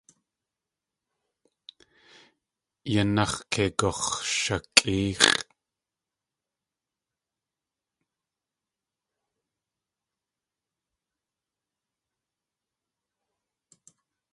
Yanax̲ kei gux̲shakʼéex̲ʼ.